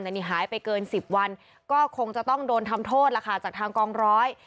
นี่หายไปเกิน๑๐วันก็คงจะต้องโดนทำโทษล่ะค่ะจากทางกองร้อย